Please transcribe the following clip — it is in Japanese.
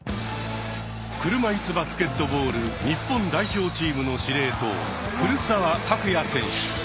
車いすバスケットボール日本代表チームの司令塔古澤拓也選手。